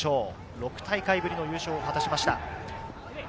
６大会ぶりの優勝を果たしました。